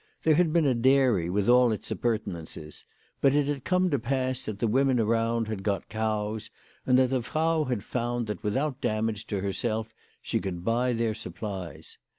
There had been a dairy with all its appurtenances ; but it had come to pass that the women around had got cows, and that the Frau had found that without damage to herself she could buy their supplies.